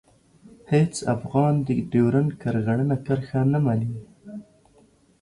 هېڅ افغان د ډیورنډ کرغېړنه کرښه نه مني.